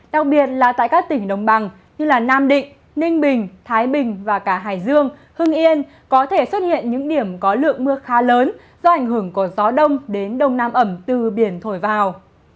đặc biệt là tại các tỉnh đồng bằng như nam định ninh bình thái bình và cả hải dương hưng yên có thể xuất hiện những điểm có lượng mưa khá lớn do ảnh hưởng của gió đông đến đông nam ẩm từ biển thổi vào